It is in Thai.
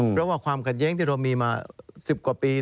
เพราะว่าความขัดแย้งที่เรามีมา๑๐กว่าปี